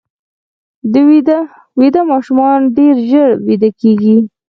ویده ماشومان ډېر ژر ویده کېږي